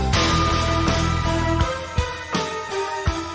ก็ไม่น่าจะดังกึ่งนะ